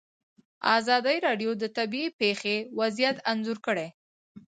ازادي راډیو د طبیعي پېښې وضعیت انځور کړی.